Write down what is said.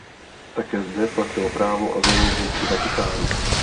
Také zde platilo právo azylu vůči Vatikánu.